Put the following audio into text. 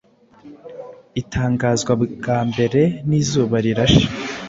itangazwa bwa mbere n’Izuba Rirashe.